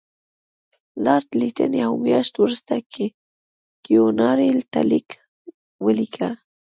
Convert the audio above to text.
لارډ لیټن یوه میاشت وروسته کیوناري ته لیک ولیکه.